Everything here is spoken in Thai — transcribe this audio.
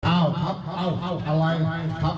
อ้าวครับอ้าวอะไรครับ